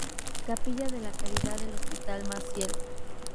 Capilla de la Caridad del Hospital Maciel